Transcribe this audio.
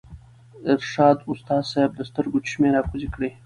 ارشد استاذ صېب د سترګو چشمې راکوزې کړې